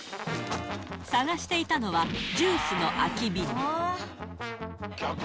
探していたのは、ジュースの空き瓶。